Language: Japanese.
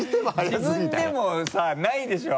自分でもさないでしょ？